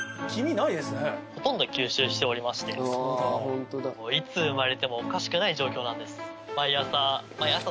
ほとんど吸収しておりましていつ生まれてもおかしくない状況なんです。